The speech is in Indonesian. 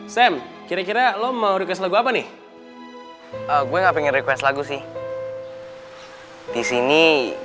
sampai jumpa lagi